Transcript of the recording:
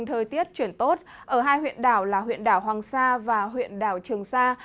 thời tiết chuyển tốt ở hai huyện đảo là huyện đảo hoàng sa và huyện đảo trường sa